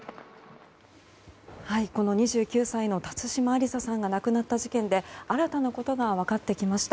２９歳の辰島ありささんが亡くなった事件で新たなことが分かってきました。